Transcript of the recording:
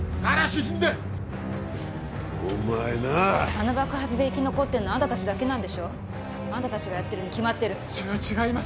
あの爆発で生き残ってんのはあんた達だけなんでしょあんた達がやってるに決まってるそれは違います